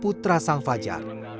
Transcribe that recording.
putra sang fajar